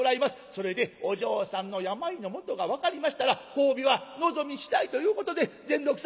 それでお嬢さんの病の元が分かりましたら褒美は望みしだいということで善六さん